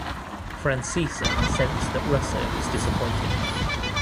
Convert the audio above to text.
Francesa sensed that Russo was disappointed.